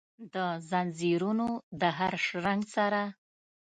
دځنځیرونو د هرشرنګ سره،